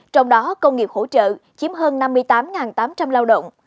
trong đó công nghiệp hỗ trợ chiếm hơn năm mươi tám tám trăm linh lao động